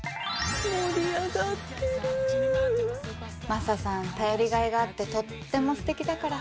マサさん頼りがいがあってとってもすてきだから。